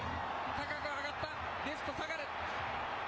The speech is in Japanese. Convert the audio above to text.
高く上がった、レフト下がる。